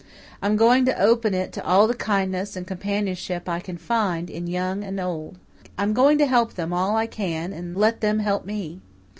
I'm going to open it to all the kindness and companionship I can find in young and old. I'm going to help them all I can and let them help me.